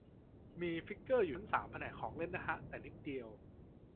มีฟิกเกอร์อยู่ชั้นสามแผนกของเล่นนะฮะ แต่นิดเดียว